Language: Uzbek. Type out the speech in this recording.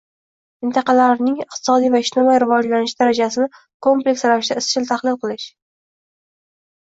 mintaqalarning iqtisodiy va ijtimoiy rivojlanishi darajasini kompleks ravishda izchil tahlil qilish